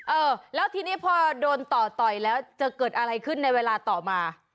เออแล้วทีนี้พอโดนต่อต่อยแล้วจะเกิดอะไรขึ้นในเวลาต่อมา